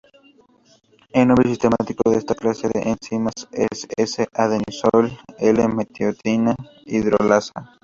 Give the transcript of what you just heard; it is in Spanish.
El nombre sistemático de esta clase de enzimas es S-adenosil-L-metionina hidrolasa.